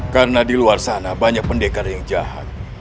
karena di luar sana banyak pendekar yang jahat